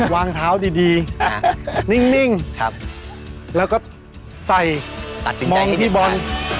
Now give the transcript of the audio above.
วางเท้าดีนิ่งแล้วก็ใส่มองที่บอล